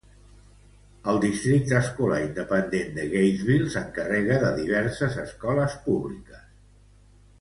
El districte escolar independent de Gatesville s'encarrega de diverses escoles públiques.